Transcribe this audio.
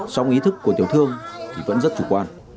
song ý thức của tiểu thương thì vẫn rất chủ quan